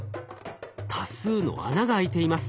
多数の穴が開いています。